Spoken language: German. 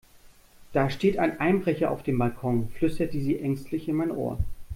Da steht ein Einbrecher auf dem Balkon, flüsterte sie ängstlich in mein Ohr.